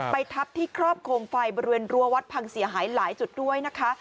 ทับที่ครอบโคมไฟบริเวณรั้ววัดพังเสียหายหลายจุดด้วยนะคะ